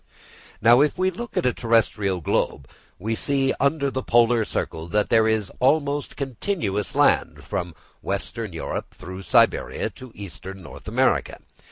Now, if we look at a terrestrial globe, we see under the Polar Circle that there is almost continuous land from western Europe through Siberia, to eastern America.